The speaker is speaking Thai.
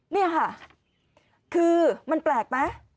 นี่ค่ะคือมันแปลกไหม